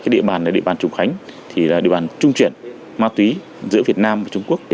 địa bàn trùng khánh là địa bàn trung chuyển ma túy giữa việt nam và trung quốc